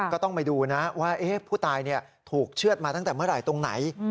ก็ต้องไปดูนะว่าผู้ตายถูกเชื่อดมาตั้งแต่เมื่อไหร่ตรงไหน